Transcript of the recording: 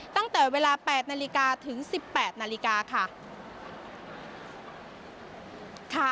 ตั้งแต่เวลา๘นาฬิกาถึง๑๘นาฬิกาค่ะ